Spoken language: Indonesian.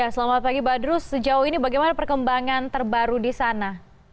selamat pagi badrus sejauh ini bagaimana perkembangan terbaru di sana